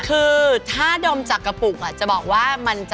คือถ้าดมจากกระปุกจะบอกว่ามันจะ